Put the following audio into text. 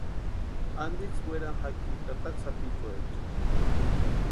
¿Antiksï werani jaki tataka sapichuecha?